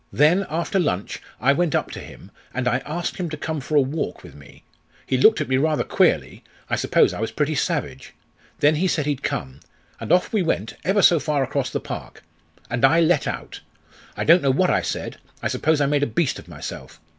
Then, after lunch, I went up to him, and I asked him to come for a walk with me. He looked at me rather queerly I suppose I was pretty savage. Then he said he'd come. And off we went, ever so far across the park. And I let out. I don't know what I said; I suppose I made a beast of myself.